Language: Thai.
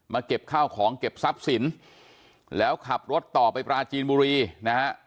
เก็บข้าวของเก็บทรัพย์สินแล้วขับรถต่อไปปราจีนบุรีนะฮะ